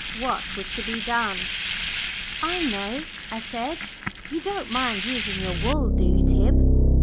What was to be done? "I know," I said; "you don't mind using your wool, do you, Tib?